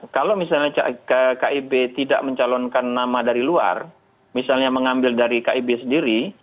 kalau misalnya kib tidak mencalonkan nama dari luar misalnya mengambil dari kib sendiri